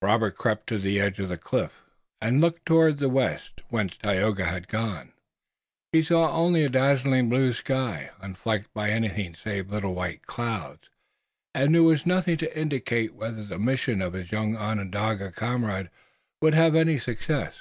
Robert crept to the edge of the cliff, and looked toward the west, whence Tayoga had gone. He saw only a dazzling blue sky, unflecked by anything save little white clouds, and there was nothing to indicate whether the mission of his young Onondaga comrade would have any success.